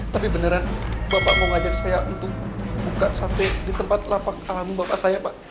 tapi beneran bapak mau ngajak saya untuk buka sate di tempat lapak alam bapak saya pak